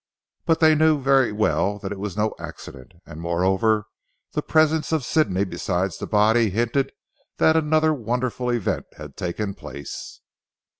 But they knew very well that it was no accident, and moreover the presence of Sidney besides the body hinted that another wonderful event had taken place.